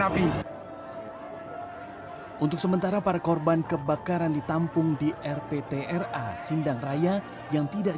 api untuk sementara para korban kebakaran ditampung di rptra sindang raya yang tidak